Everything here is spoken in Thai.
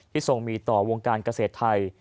ทรงมีต่อวงการเกษตรไทย